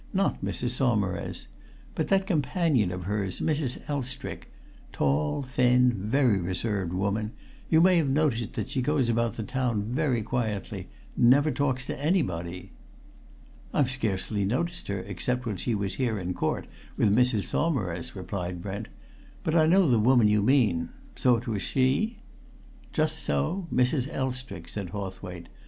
"Not Mrs. Saumarez. But that companion of hers, Mrs. Elstrick. Tall, thin, very reserved woman; you may have noticed that she goes about the town very quietly never talks to anybody." "I've scarcely noticed her except when she was here in court with Mrs. Saumarez," replied Brent. "But I know the woman you mean. So it was she?" "Just so Mrs. Elstrick," said Hawthwaite.